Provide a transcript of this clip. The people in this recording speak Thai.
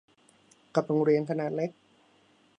กับโรงเรียนขนาดเล็ก